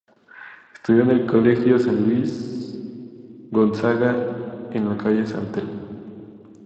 Estudió en el colegio San Luís Gonzaga, en la calle San Telmo.